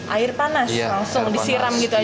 air panas langsung disiram gitu aja